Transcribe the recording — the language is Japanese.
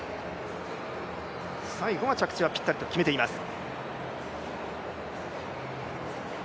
最後は着地はぴったりと決めています。